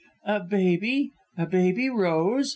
"'A baby! A baby rose!'